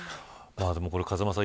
風間さん